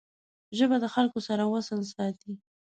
ژبه د خلګو سره وصل ساتي